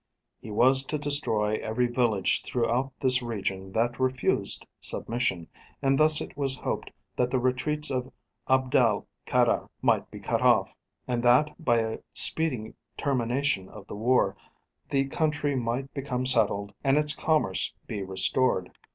He was to destroy every village throughout this region that refused submission; and thus it was hoped that the retreats of Abd el Kader might be cut off, and that by a speedy termination of the war, the country might become settled, and its commerce be restored.